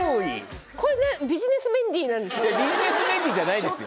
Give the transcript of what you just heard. ビジネスメンディーじゃないですよ